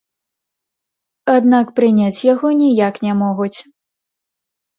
Аднак прыняць яго ніяк не могуць.